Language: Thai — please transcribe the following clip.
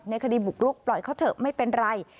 คดีบุกรุกปล่อยเขาเถอะไม่เป็นไร